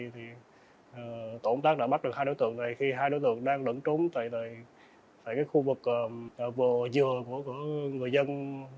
thì tổng tác đã bắt được hai đối tượng này khi hai đối tượng đang đứng trúng tại khu vực vò dừa của người dân